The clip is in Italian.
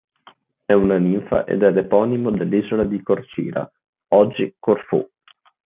È una ninfa ed è l'eponimo dell'isola di Corcira, oggi Corfù.